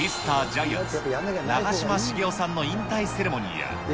ジャイアンツ、長嶋茂雄さんの引退セレモニーや。